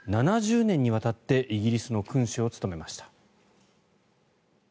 ７０年にわたってイギリスの君主を務めました。